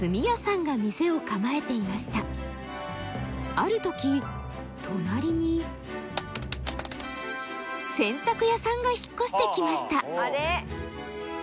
ある時隣に洗濯屋さんが引っ越してきました。